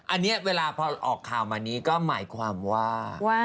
อันนี้เวลาพอออกข่าวมานี้ก็หมายความว่า